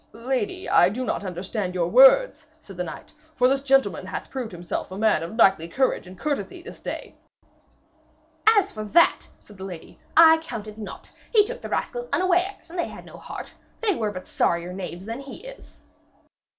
'Lady, I do not understand your words,' said the knight, 'for this gentleman hath proved himself a man of knightly courage and courtesy this day.' 'As for that,' said the lady, 'I count it naught. He took the rascals unawares, and they had no heart. They were but sorrier knaves than he is.'